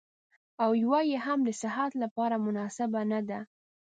او يوه يې هم د صحت لپاره مناسبه نه ده.